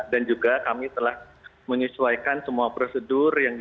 dan juga kami telah menyesuaikan semua prosedur